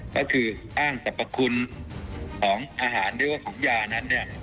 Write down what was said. ก็คืออ้างสรรพคุณของอาหารหรือว่าของยานั้นเนี่ย